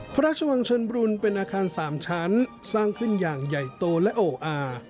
พระราชวังชนบรุนเป็นอาคาร๓ชั้นสร้างขึ้นอย่างใหญ่โตและโออา